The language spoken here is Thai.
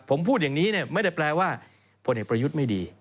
ผมพูดอย่างนี้ไม่ได้แปลว่าพลเอกประยุทธ์ไม่ดี